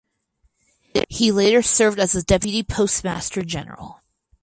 He later served as the Deputy Postmaster General.